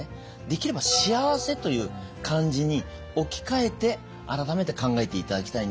できれば幸せという漢字に置き換えて改めて考えていただきたいんですよね。